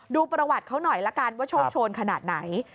ดูประวัติเขาหน่อยละกันว่าโชคโชนขนาดไหน